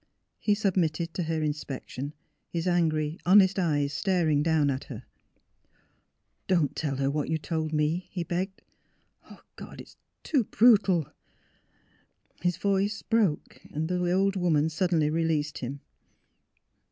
He submitted to her inspection ; his angry, honest eyes staring down at her. '' Don 't tell her what you told me, '' he begged. " God! it's too— brutal! " His voice broke. The old woman suddenly released him.